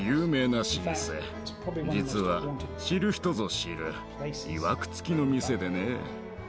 実は知る人ぞ知るいわくつきの店でね。